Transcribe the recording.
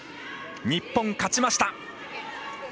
日本、勝ちました！